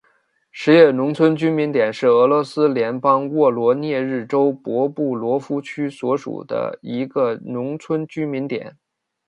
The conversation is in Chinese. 十月农村居民点是俄罗斯联邦沃罗涅日州博布罗夫区所属的一个农村居民点。